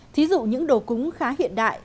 thí dụ những đồ cúng khá hiện đại